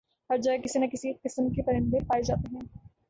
ہر جگہ کسی نہ کسی قسم کے پرندے پائے جاتے ہیں